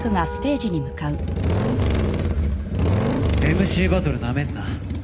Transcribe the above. ＭＣバトルなめんな。